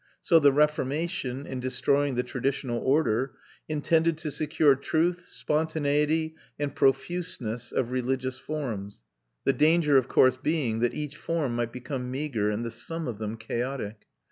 So the Reformation, in destroying the traditional order, intended to secure truth, spontaneity, and profuseness of religious forms; the danger of course being that each form might become meagre and the sum of them chaotic.